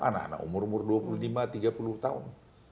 anak anak umur umur dua puluh lima tiga puluh tahun